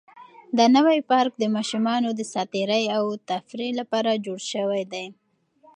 دا نوی پارک د ماشومانو د ساتیرۍ او تفریح لپاره جوړ شوی دی.